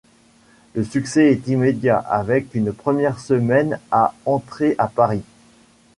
Le succès est immédiat avec une première semaine à entrées à Paris.